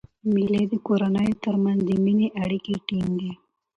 مېلې د کورنیو تر منځ د میني اړیکي ټینګي.